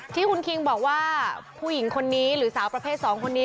ที่คุณคิงบอกว่าผู้หญิงคนนี้หรือสาวประเภท๒คนนี้